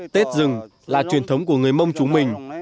tết dừng là truyền thống của người mông chúng mình